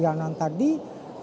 itu menjadi salah satu pertimbangan